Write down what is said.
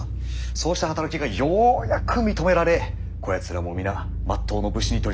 そうした働きがようやく認められこやつらも皆まっとうの武士に取り立てていただいた。